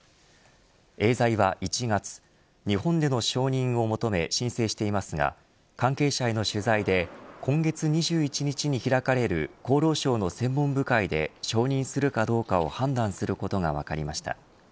エーザイは１月日本での承認を求め申請していますが関係者への取材で今月２１日に開かれる厚労省の専門部会で承認するかどうかを判断することが分かりました。